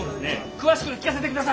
詳しく聞かせて下さい！